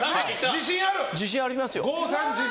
自信ありますよ。